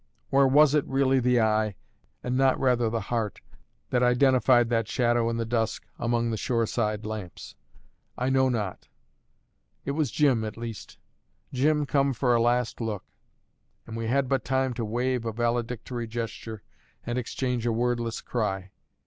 Or was it really the eye, and not rather the heart, that identified that shadow in the dusk, among the shoreside lamps? I know not. It was Jim, at least; Jim, come for a last look; and we had but time to wave a valedictory gesture and exchange a wordless cry.